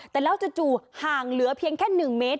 แต่แล้วจู่ห่างเหลือเพียงแค่๑เมตร